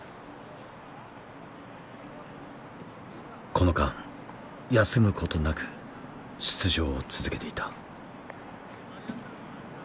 この間休むことなく出場を続けていた。